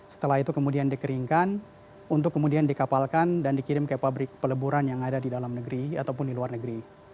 setelah itu kemudian dikeringkan untuk kemudian dikapalkan dan dikirim ke pabrik peleburan yang ada di dalam negeri ataupun di luar negeri